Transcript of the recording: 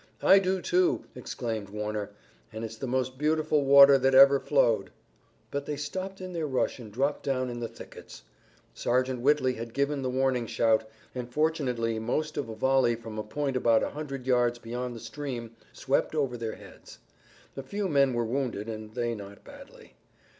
"I do, too!" exclaimed Warner, "and it's the most beautiful water that ever flowed!" But they stopped in their rush and dropped down in the thickets. Sergeant Whitley had given the warning shout, and fortunately most of a volley from a point about a hundred yards beyond the stream swept over their heads. A few men were wounded, and they not badly.